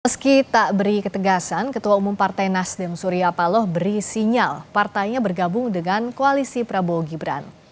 meski tak beri ketegasan ketua umum partai nasdem surya paloh beri sinyal partainya bergabung dengan koalisi prabowo gibran